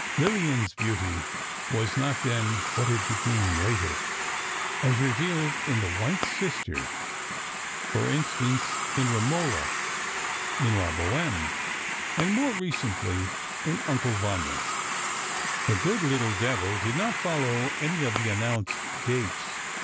Lillian's beauty was not then what it became later:—as revealed in "The White Sister," for instance, in "Romola," in "La Bohême," and more recently in "Uncle Vanya." "The Good Little Devil" did not follow any of the announced dates.